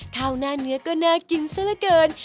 ข้าวหน้าเนื้อก็น่ากินซะละเกิน